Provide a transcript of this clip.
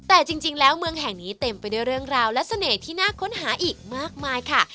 แต่จริงแล้วเมืองแห่งนี้เต็มไปด้วยเรื่องราวและเสน่ห์ที่น่าค้นหาอีกมากมายค่ะ